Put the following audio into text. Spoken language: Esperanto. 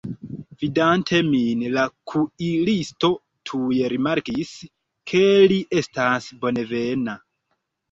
Vidante min, la kuiristo tuj rimarkis, ke li estas bonvena.